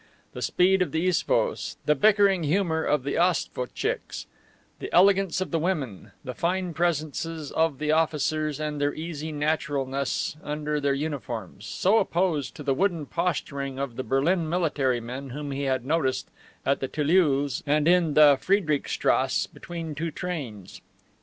The speed of the isvos, the bickering humor of the osvotchicks, the elegance of the women, the fine presences of the officers and their easy naturalness under their uniforms, so opposed to the wooden posturing of the Berlin military men whom he had noticed at the "Tilleuls" and in the Friederichstrasse between two trains.